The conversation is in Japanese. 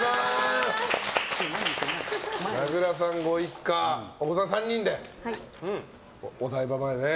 名倉さんご一家、お子さん３人でお台場までね。